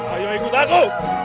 ayolah ikut aku